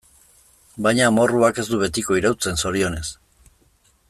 Baina amorruak ez du betiko irauten, zorionez.